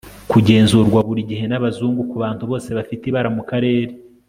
kugenzurwa buri gihe, nabazungu, kubantu bose bafite ibara mukarere